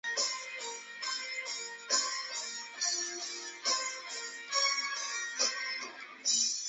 前进党的成立是利库德集团作为以色列两个主要政党之一地位的重大挑战。